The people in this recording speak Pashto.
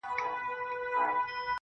ښه نیت خوشحالي راولي.